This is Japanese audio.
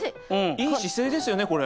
いい姿勢ですよねこれ。